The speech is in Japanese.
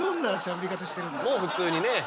もう普通にね。